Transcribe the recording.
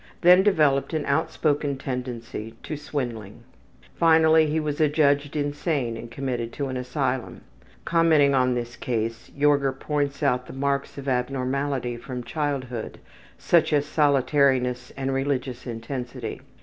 Then developed an outspoken tendency to swindling. Finally he was adjudged insane and committed to an asylum. Commenting on this case, Jorger points out the marks of abnormality from childhood, such as solitariness and religious intensity.